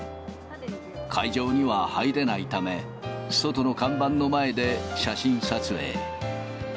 会場には入れないため、外の看板の前で写真撮影。